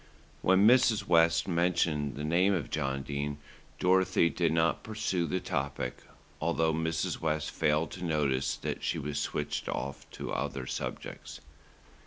When Mrs. West mentioned the name of John Dene, Dorothy did not pursue the topic, although Mrs. West failed to notice that she was switched off to other subjects.